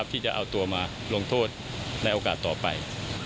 ที่จะเอาตัวมาลงโทษในโอกาสต่อไป